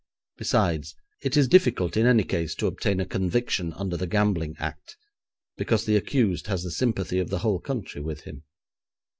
Besides, it is difficult in any case to obtain a conviction under the Gambling Act, because the accused has the sympathy of the whole country with him.